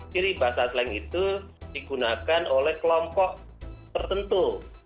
ciri bahasa slang itu digunakan oleh kelompok tertentu